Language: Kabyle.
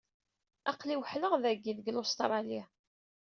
Aqli weḥleɣ dagi, deg Lustṛali.